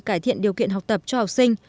cải thiện điều kiện học tập cho học sinh